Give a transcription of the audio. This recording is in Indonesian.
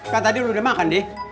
kan tadi udah makan deh